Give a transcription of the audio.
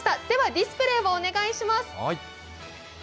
では、ディスプレーをお願いします